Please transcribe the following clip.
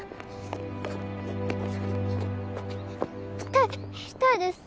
痛い痛いです。